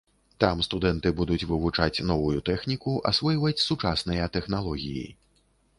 Там студэнты будуць вывучаць новую тэхніку, асвойваць сучасныя тэхналогіі.